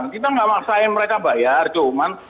kita nggak masalah yang mereka bayar cuman